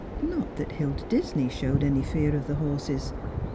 Not that Hilda Disney showed any fear of the horses.